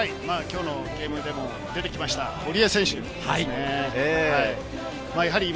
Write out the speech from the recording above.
今日のゲームでも出てきました、堀江選手です。